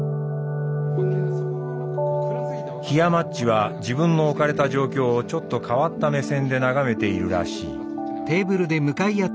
ひやまっちは自分の置かれた状況をちょっと変わった目線で眺めているらしい。